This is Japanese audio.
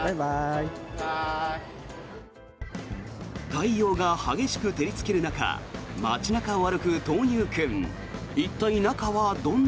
太陽が激しく照りつける中街中を歩く豆乳くん。